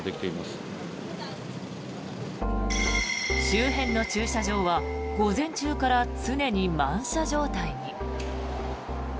周辺の駐車場は午前中から常に満車状態に。